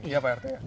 iya pak rt ya